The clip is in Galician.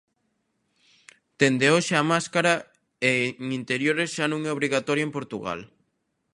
Dende hoxe a máscara en interiores xa non é obrigatoria en Portugal.